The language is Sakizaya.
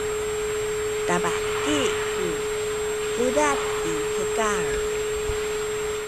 tabaki ku udad i hekal